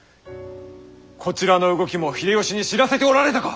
こちらの動きも秀吉に知らせておられたか！